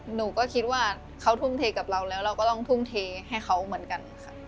หนูก็คิดว่าเขาทุ่มเทกับเราแล้วเราก็ต้องทุ่มเทให้เขาเหมือนกันค่ะ